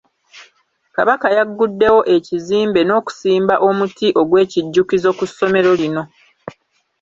Kabaka yagguddewo ekizimbe n’okusimba omuti ogwekijjukizo ku ssomero lino.